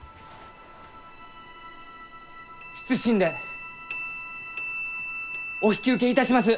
謹んでお引き受けいたします！